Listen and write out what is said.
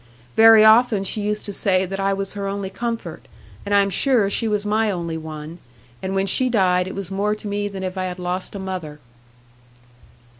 Very often she used to say that I was her only comfort, and I am sure she was my only one; and when she died it was more to me than if I had lost a mother.